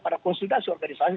pada konsultasi organisasi